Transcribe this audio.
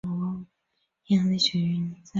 该区域亦称为额下回。